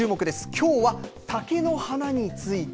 きょうは竹の花について。